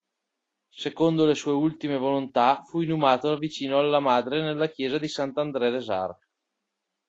Secondo le sue ultime volontà fu inumato vicino alla madre nella chiesa di Saint-André-des-Arcs.